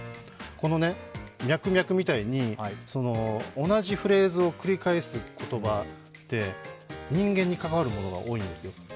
このミャクミャクみたいに同じフレーズを繰り返す言葉って、人間に関わるものが多いんですよ。